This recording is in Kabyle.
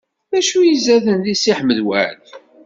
D acu i izaden deg Si Ḥmed Waɛli?